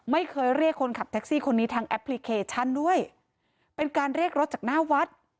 ไม่เคยเรียกคนขับแท็กซี่คนนี้ทางแอปพลิเคชันด้วยเป็นการเรียกรถจากหน้าวัด